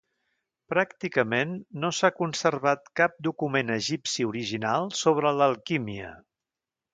Pràcticament no s'ha conservat cap document egipci original sobre l'alquímia.